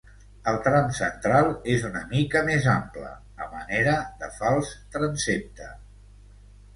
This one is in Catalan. El tram central és una mica més ample, a manera de fals transsepte.